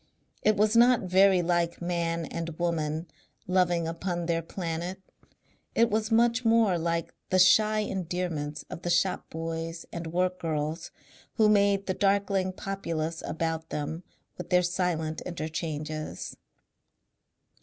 It was not very like Man and Woman loving upon their Planet; it was much more like the shy endearments of the shop boys and work girls who made the darkling populous about them with their silent interchanges.